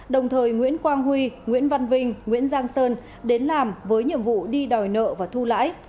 đồng thời nguyễn quang huy nguyễn văn vinh nguyễn giang sơn đến làm với nhiệm vụ đi đòi nợ và thu lãi